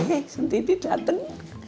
eh senti di dateng